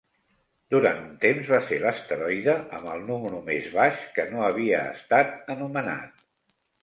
Durant un temps, va ser l'asteroide amb el número més baix que no havia estat anomenat.